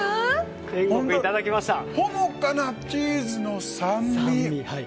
ほのかなチーズの酸味。